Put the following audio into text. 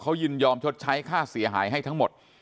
เขายินยอมชดใช้ค่าเสียหายให้ทั้งหมด